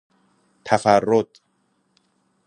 تفرد